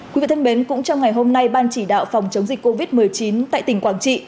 quý vị thân mến cũng trong ngày hôm nay ban chỉ đạo phòng chống dịch covid một mươi chín tại tỉnh quảng trị